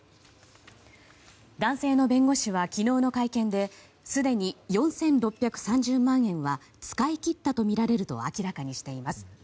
男性の弁護士は昨日の会見ですでに４６３０万円は使い切ったとみられると明らかにしています。